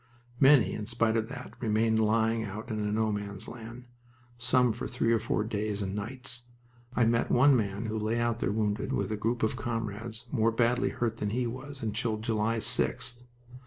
Many, in spite of that, remained lying out in No Man's Land, some for three or four days and nights. I met one man who lay out there wounded, with a group of comrades more badly hurt than he was, until July 6th.